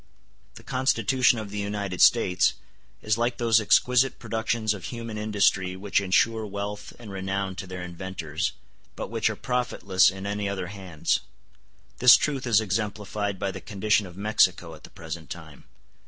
The Constitution of the United States is like those exquisite productions of human industry which ensure wealth and renown to their inventors, but which are profitless in any other hands. This truth is exemplified by the condition of Mexico at the present time.